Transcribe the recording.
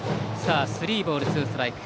スリーボール、ツーストライク。